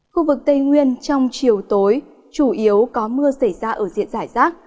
khu vực tây nguyên trong chiều tối chủ yếu có mưa xảy ra ở diện giải rác